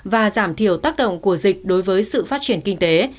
và giảm thiểu tác động của dịch đối với sự phát triển kinh tế